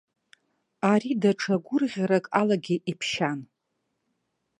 Ари даҽа гәырӷьарак алагьы иԥшьан.